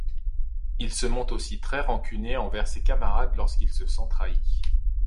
Il se montre aussi très rancunier envers ses camarades lorsqu'il se sent trahi.